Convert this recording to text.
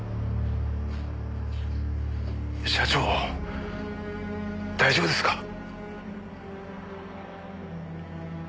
社長大丈夫ですか？